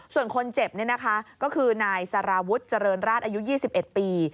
ส่วนคนเจ็บนี่นะคะก็คือนายสารวุฒิเจริญราชอายุ๒๑ปี